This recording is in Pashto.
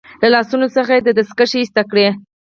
له لاسونو څخه يې دستکشې ایسته کړې.